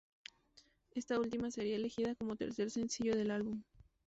Esta última sería elegida como tercer sencillo del álbum.